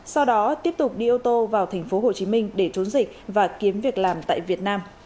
sau đó tiếp tục đi ô tô vào tp hcm để trốn dịch và kiếm việc làm tại việt nam